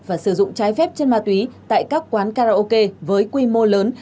và sử dụng trái phép chân ma túy tại các quán karaoke với quy mô lớn